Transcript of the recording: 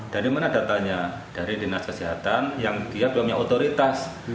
dari mana datanya dari dinas kesehatan yang dia belum punya otoritas